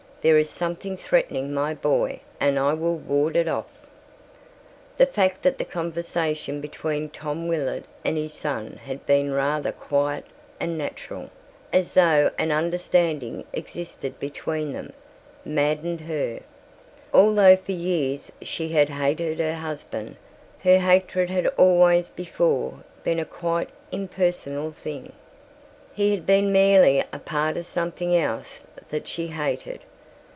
There is something threatening my boy and I will ward it off." The fact that the conversation between Tom Willard and his son had been rather quiet and natural, as though an understanding existed between them, maddened her. Although for years she had hated her husband, her hatred had always before been a quite impersonal thing. He had been merely a part of something else that she hated.